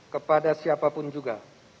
kepada siapapun juga